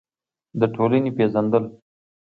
د ټولنې پېژندل: